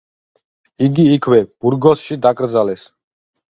იგი იქვე, ბურგოსში დაკრძალეს.